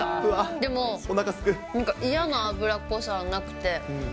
でも、なんか嫌な脂っこさはなくて。